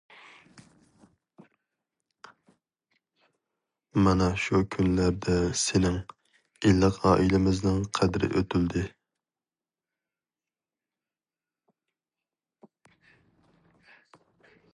مانا شۇ كۈنلەردە سېنىڭ، ئىللىق ئائىلىمىزنىڭ قەدرى ئۆتۈلدى.